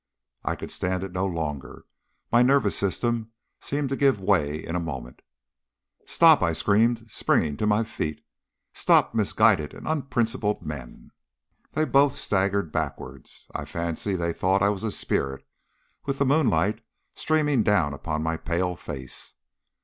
I could stand it no longer. My nervous system seemed to give way in a moment. "Stop!" I screamed, springing to my feet. "Stop misguided and unprincipled men!" They both staggered backwards. I fancy they thought I was a spirit, with the moonlight streaming down upon my pale face.